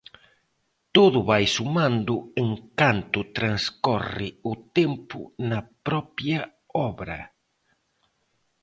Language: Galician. Todo vai sumando en canto transcorre o tempo na propia obra.